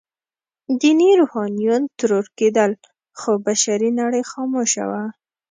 ديني روحانيون ترور کېدل، خو بشري نړۍ خاموشه وه.